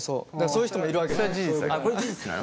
そういう人もいるわけ。